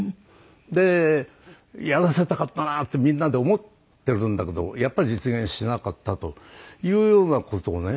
でやらせたかったなってみんなで思ってるんだけどやっぱり実現しなかったというような事をね